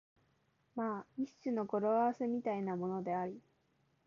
まあ一種の語呂合せみたいなものであり、